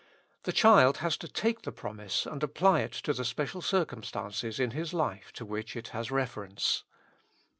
The child has to take the promise and apply it to the special circumstances in His life to which it has reference.